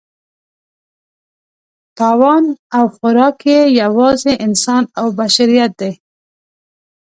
تاوان او خوراک یې یوازې انسان او بشریت دی.